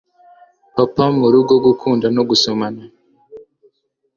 papa murugo gukunda no gusomana